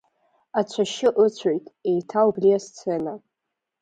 Ацәашьы ыцәоит, еиҭа убри асцена.